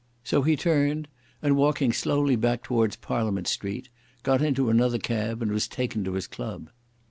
So he turned, and walking slowly back towards Parliament Street, got into another cab, and was taken to his club.